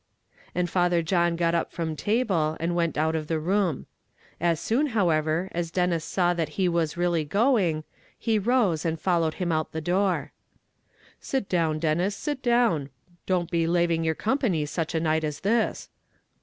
And Father John got up from table, and went out of the room. As soon, however, as Denis saw that he was really going, he rose and followed him out of the door. "Sit down, Denis, sit down don't be laving your company such a night as this."